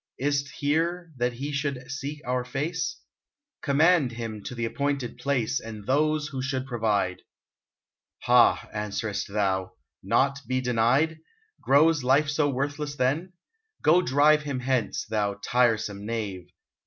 Is 't here that he should seek our face ? Command him to the appointed place, And those who should provide ! Ha ! answerest thou ? Not be denied ?— Grows life so worthless then ?— Go drive him hence, thou tiresome knave